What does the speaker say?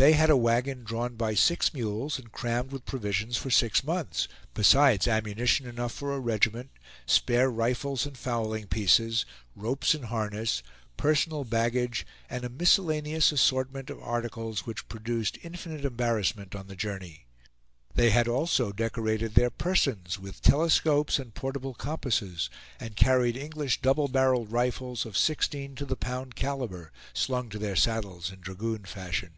They had a wagon drawn by six mules and crammed with provisions for six months, besides ammunition enough for a regiment; spare rifles and fowling pieces, ropes and harness; personal baggage, and a miscellaneous assortment of articles, which produced infinite embarrassment on the journey. They had also decorated their persons with telescopes and portable compasses, and carried English double barreled rifles of sixteen to the pound caliber, slung to their saddles in dragoon fashion.